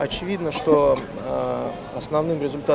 chuyện này đáng chú ý là